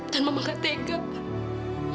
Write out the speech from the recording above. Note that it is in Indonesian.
dan mama gak bisa menikahi mama